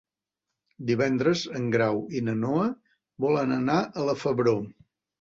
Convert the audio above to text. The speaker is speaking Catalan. Divendres en Grau i na Noa volen anar a la Febró.